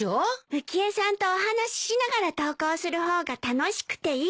浮江さんとお話ししながら登校する方が楽しくていい。